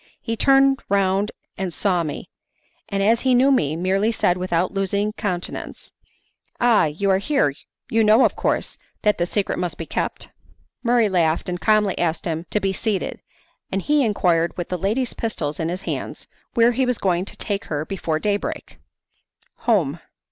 He turned round and saw me, and as he knew me, merely said, without losing countenance: "Ah, you are here; you know, of course, that the secret must be kept?" Murray laughed and calmly asked him to be seated, and he enquired, with the lady's pistols in his hands, where he was going to take her before day break. "Home."